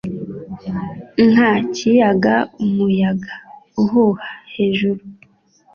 nka kiyaga umuyaga uhuha hejuru